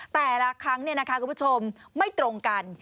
แต่ละครั้งนี้นะคะคุณผู้ชมไม่ตรงกัน